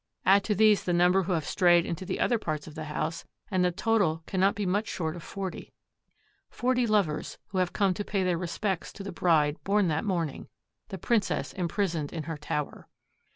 Add to these the number who have strayed into the other parts of the house, and the total cannot be much short of forty. Forty lovers, who have come to pay their respects to the bride born that morning—the princess imprisoned in her tower!